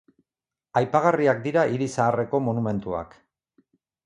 Aipagarriak dira hiri zaharreko monumentuak.